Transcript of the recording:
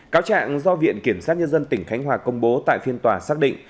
cáo trạng do viện kiểm sát nhân dân tỉnh khánh hòa công bố tại phiên tòa xác định